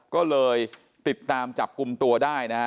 ก็เลยติดตามจับกุมตัวได้